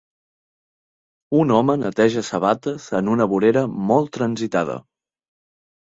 Un home neteja sabates en una vorera molt transitada.